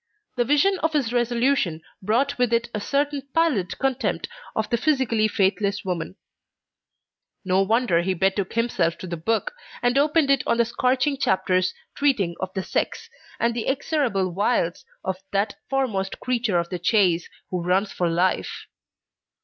The vision of his resolution brought with it a certain pallid contempt of the physically faithless woman; no wonder he betook himself to The Book, and opened it on the scorching chapters treating of the sex, and the execrable wiles of that foremost creature of the chase, who runs for life.